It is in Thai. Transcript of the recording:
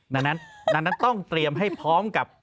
ดังนั้นต้องเตรียมให้พร้อมกับ